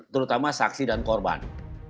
terutama saksi dan korban